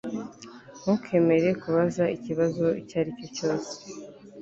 Ntukemere kubaza ikibazo icyo ari cyo cyose